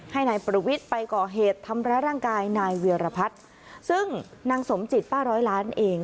ให้นายประวิทย์ไปก่อเหตุทำร้ายร่างกายนายเวียรพัฒน์ซึ่งนางสมจิตป้าร้อยล้านเอง